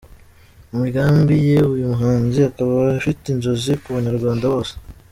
Mu migambi ye uyu muhanzi akaba afite inzozi ku banyarwanda bose.